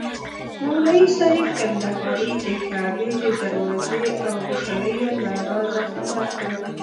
مولوي صاحب کندهاري د کعبې د دروازې او کیلیو له رازه خبر کړم.